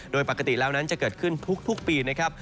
โดยปกติแล้วนั้นจะเกิดขึ้นทุกปีนะครับ